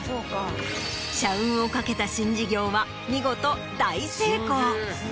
社運を懸けた新事業は見事大成功。